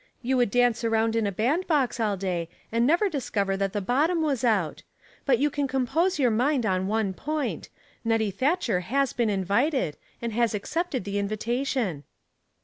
'' You Avould dance around in a bandbox all da3% and never discover that the bottom was out; but you can compose your mind on one point. Nettie Thatcher has been invited, and has accepted the invitation."